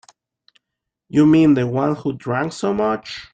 You mean the one who drank so much?